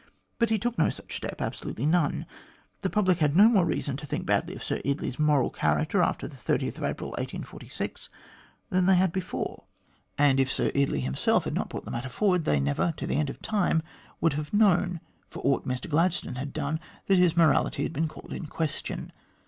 But he took no such step; absolutely none. The public had no more reason to think badly of Sir Eardley's moral character after the 30th April 1846, than they had before; and, A GRIEVOUS ERROR OF MR GLADSTONE'S 167 if Sir Eardley himself had not brought the matter forward, they never, to the end of time, would have known, for aught Mr Gladstone had done, that his morality had been called in question.